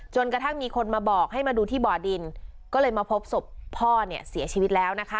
กระทั่งมีคนมาบอกให้มาดูที่บ่อดินก็เลยมาพบศพพ่อเนี่ยเสียชีวิตแล้วนะคะ